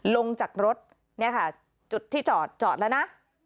ลงจากรถเนี่ยค่ะจุดที่จอดจอดแล้วนะ